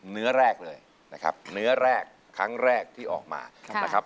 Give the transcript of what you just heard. เนื้อแรกเลยนะครับเนื้อแรกครั้งแรกที่ออกมานะครับ